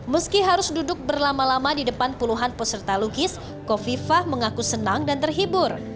meski harus duduk berlama lama di depan puluhan peserta lukis kofifah mengaku senang dan terhibur